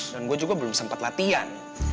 dan gue juga belum sempat latihan